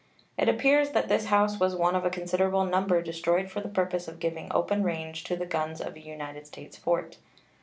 It appears that this house was one of a considerable number destroyed for the purpose of giving open range to the guns of a United States fort.